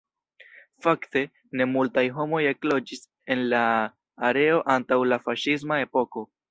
Fakte, ne multaj homoj ekloĝis en la areo antaŭ la faŝisma epoko.